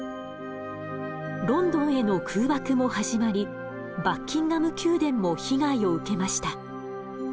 ロンドンへの空爆も始まりバッキンガム宮殿も被害を受けました。